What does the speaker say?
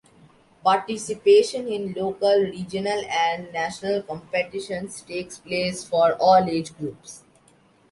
Participation in local, regional and national competitions takes place for all age groups.